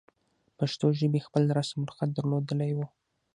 پښتو ژبې خپل رسم الخط درلودلی وو.